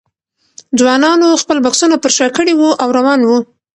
ځوانانو خپل بکسونه پر شا کړي وو او روان وو.